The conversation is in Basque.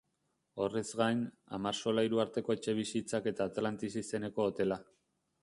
Horrez gain, hamar solairu arteko etxebizitzak eta Atlantis izeneko hotela.